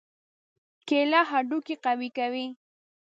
کېله هډوکي قوي کوي.